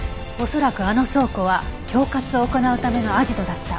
恐らくあの倉庫は恐喝を行うためのアジトだった。